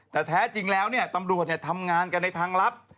แต่แท้จริงแล้วตำรวจทำงานกันในทางลับ